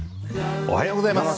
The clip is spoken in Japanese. おはようございます。